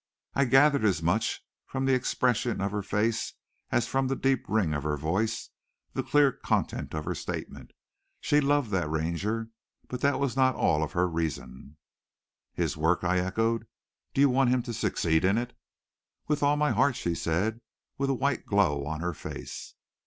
I gathered as much from the expression of her face as from the deep ring of her voice, the clear content of her statement. She loved the Ranger, but that was not all of her reason. "His work?" I echoed. "Do you want him to succeed in it?" "With all my heart," she said, with a white glow on her face.